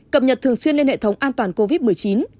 cập nhật thường xuyên lên hệ thống an toàn covid một mươi chín